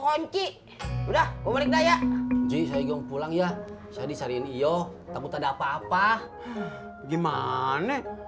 kunci udah gue balik dah ya jadi saya pulang ya saya disariin iyo takut ada apa apa gimana